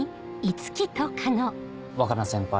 若菜先輩